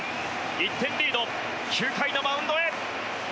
１点リード９回のマウンドへ。